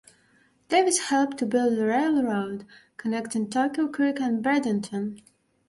Davis helped to build the railroad connecting Turkey Creek and Bradenton.